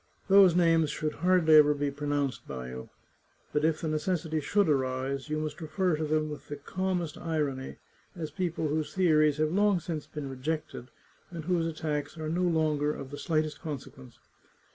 Those names should hardly ever be pronounced by you. But if the necessity should arise, you must refer to them with the calmest irony, as people whose theories have long since been rejected, and whose attacks are no longer of the slightest consequence.